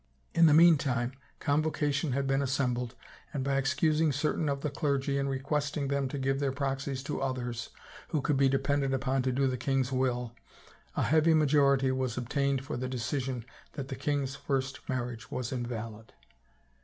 In the meantime convocation had been assembled and, by excusing certain of the clergy and requesting them to give their proxies to others who could be depended upon to do the king's will, a heavy majority was obtained for the decision that the king's first marriage was invalid.